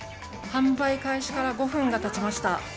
販売開始から５分がたちました。